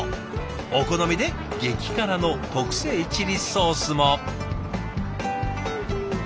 お好みで激辛の特製チリソースも。